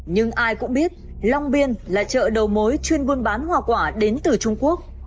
nhưng ai cũng biết long biên là chợ đầu mối chuyên buôn bán hoa quả đến từ trung quốc